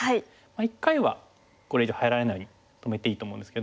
一回はこれ以上入られないように止めていいと思うんですけども。